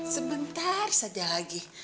sebentar saja lagi